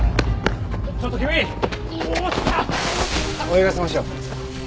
泳がせましょう。